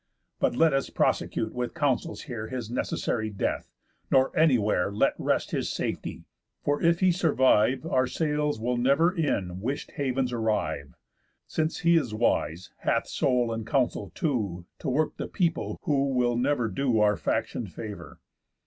But let us prosecute with counsels here His necessary death, nor anywhere Let rest his safety; for if he survive, Our sails will never in wish'd havens arrive; Since he is wise, hath soul, and counsel too, To work the people, who, will never do Our faction favour.